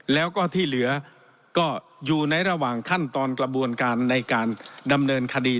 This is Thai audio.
แล้วก็ที่เหลือก็อยู่ในระหว่างขั้นตอนกระบวนการในการดำเนินคดี